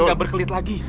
saya gak berkelit lagi